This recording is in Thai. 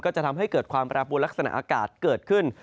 จะทำให้เกิดความแปรปวดลักษณะอากาศเกิดขึ้น